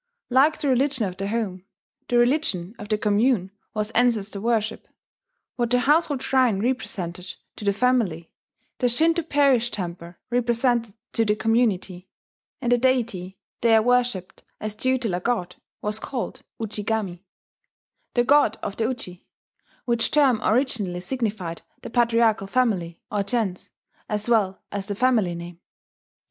Like the religion of the home, the religion of the commune was ancestor worship. What the household shrine represented to the family, the Shinto parish temple represented to the community; and the deity there worshipped as tutelar god was called Ujigami, the god of the Uji, which term originally signified the patriarchal family or gens, as well as the family name.